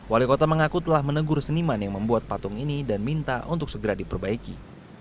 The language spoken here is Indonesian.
wali kota mengaku telah menegur seniman yang membuat patung ini dan minta untuk segera diperbaiki